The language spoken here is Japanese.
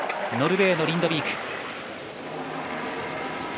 ノルウェーのリンドビーク。